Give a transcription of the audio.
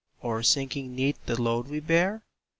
Or sinking 'neath the load we bear?